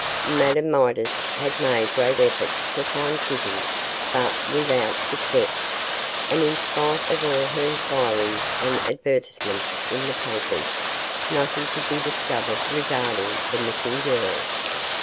Madame Midas had made great efforts to find Kitty, but without success; and, in spite of all inquiries and advertisements in the papers, nothing could be discovered regarding the missing girl.